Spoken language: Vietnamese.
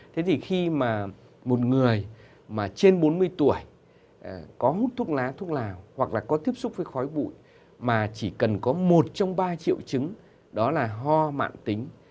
thế thì khi mà một người mà trên bốn mươi tuổi có hút thuốc lá thuốc lào hoặc là có tiếp xúc với khói bụi mà chỉ cần có một trong ba triệu chứng đó là ho mạn tính